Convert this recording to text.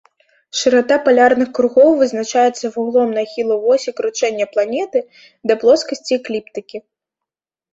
Шырата палярных кругоў вызначаецца вуглом нахілу восі кручэння планеты да плоскасці экліптыкі.